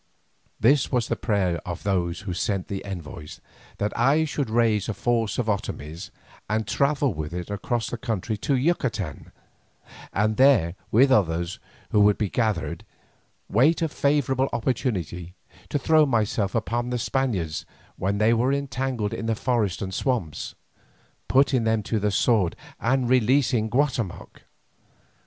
This was the prayer of those who sent the envoys, that I should raise a force of Otomies and travel with it across the country to Yucatan, and there with others who would be gathered, wait a favourable opportunity to throw myself upon the Spaniards when they were entangled in the forests and swamps, putting them to the sword and releasing Guatemoc.